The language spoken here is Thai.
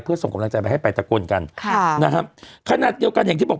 เพื่อส่งกำลังใจไปให้ไปตะโกนกันค่ะนะครับขนาดเดียวกันอย่างที่บอก